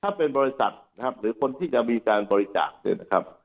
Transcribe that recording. ถ้าเป็นบริษัทนะครับหรือคนที่จะมีการบริจาคเนี่ยนะครับ